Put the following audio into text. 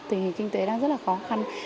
tình hình kinh tế đang rất là khó khăn